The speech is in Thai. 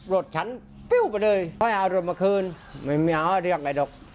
โรดฉันปิ๊วไปเลยพออาลุงมาคืนไม่มีเอาอะไรเรียกไอ้ดอก